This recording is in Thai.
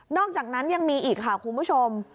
อกจากนั้นยังมีอีกค่ะคุณผู้ชม